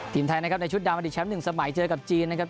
ทีมไทยนะครับในชุดดำอดีตแชมป์๑สมัยเจอกับจีนนะครับ